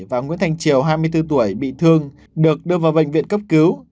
và nguyễn thành triều hai mươi bốn tuổi bị thương được đưa vào bệnh viện cấp cứu